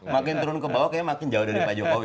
makin turun ke bawah kayaknya makin jauh dari pak jokowi